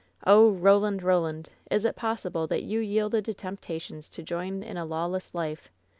Oh, Roland! Roland! Is it possible that you yielded to temptations to join in a lawless life!